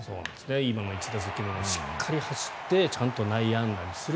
今の１打席目もしっかり走ってちゃんと内野安打にする。